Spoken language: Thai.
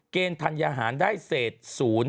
เกณฑ์ทันยาหารได้เศษ๐